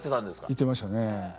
行ってましたね。